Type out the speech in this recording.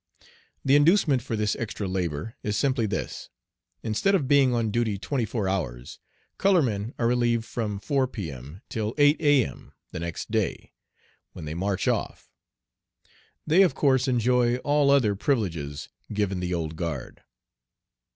The inducement for this extra labor is simply this: Instead of being on duty twenty four hours, color men are relieved from 4 P. M. till 8 A. M. the next day, when they march off. They of course enjoy all other privileges given the "Old Guard."